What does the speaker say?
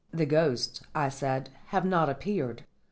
"The ghosts," I said, "have not appeared.